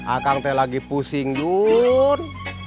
akang teh lagi pusing dulu